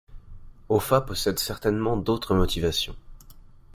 Offa possède certainement d'autres motivations.